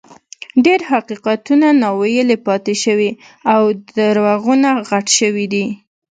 ډېر حقیقتونه ناویلي پاتې شوي او دروغونه غټ شوي دي.